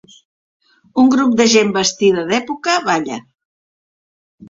Un grup de gent vestida d'època balla.